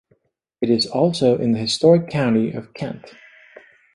It is also in the historic county of Kent.